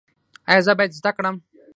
ایا زه باید زده کړم؟